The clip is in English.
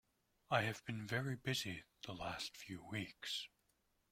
I've been very busy the last few weeks.